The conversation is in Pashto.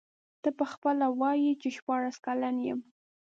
ته به خپله وایې چي شپاړس کلن یم.